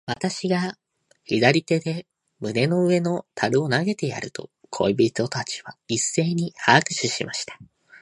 私が左手で胸の上の樽を投げてやると、小人たちは一せいに拍手しました。